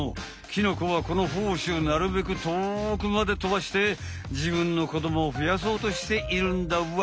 キノコはこのほうしをなるべくとおくまでとばしてじぶんのこどもをふやそうとしているんだわ。